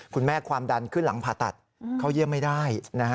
ความดันขึ้นหลังผ่าตัดเข้าเยี่ยมไม่ได้